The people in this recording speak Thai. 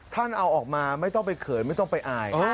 ท่านเอาออกมาไม่ต้องไปเขินไม่ต้องไปอาย